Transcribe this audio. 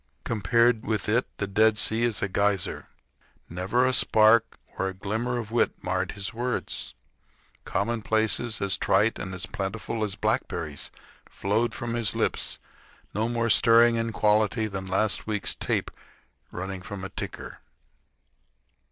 Compared with it the Dead Sea is a geyser. Never a sparkle or a glimmer of wit marred his words. Commonplaces as trite and as plentiful as blackberries flowed from his lips no more stirring in quality than a last week's tape running from a ticker.